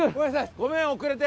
ごめん遅れて。